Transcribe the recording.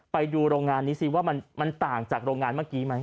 ไปดูโรงงานนี้สิว่ามันต่างจากโรงงานเมื่อกี้ไหม